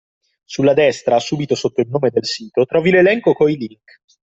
Sulla destra, subito sotto il nome del sito, trovi l'elenco coi link.